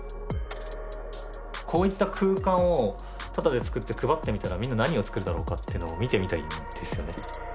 こういった空間をタダで作って配ってみたらみんな何を作るだろうかってのを見てみたいですよね。